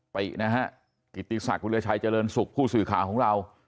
ตินะฮะกิติศักดิราชัยเจริญสุขผู้สื่อข่าวของเรา